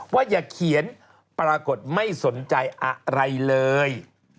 อย่าเขียนปรากฏไม่สนใจอะไรเลย